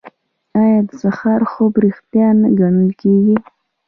آیا د سهار خوب ریښتیا نه ګڼل کیږي؟